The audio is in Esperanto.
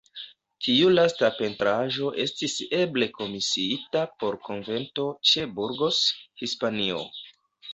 Tiu lasta pentraĵo estis eble komisiita por konvento ĉe Burgos, Hispanio.